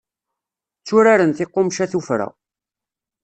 Tturaren tiqemca tufra.